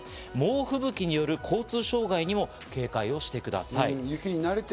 猛吹雪による交通障害にも警戒してください。